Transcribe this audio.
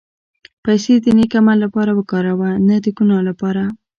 پېسې د نېک عمل لپاره وکاروه، نه د ګناه لپاره.